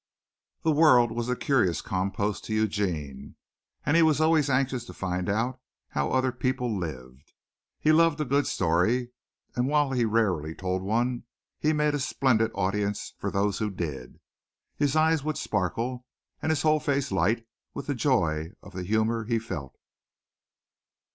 The world was a curious compost to Eugene and he was always anxious to find out how other people lived. He loved a good story, and while he rarely told one he made a splendid audience for those who did. His eyes would sparkle and his whole face light with the joy of the humor he felt.